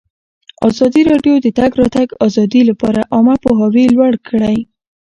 ازادي راډیو د د تګ راتګ ازادي لپاره عامه پوهاوي لوړ کړی.